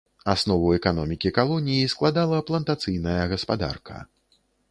Аснову эканомікі калоніі складала плантацыйная гаспадарка.